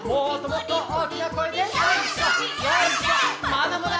まだまだ！